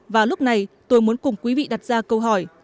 và lúc này tôi muốn cùng quý vị đặt ra câu hỏi